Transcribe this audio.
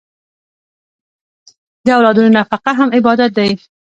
د اولادونو نفقه هم عبادت دی.